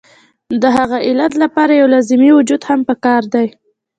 نو د هغې علت د پاره يو لازمي وجود هم پکار دے